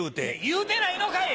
言うてないのかい！